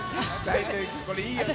これいいよね。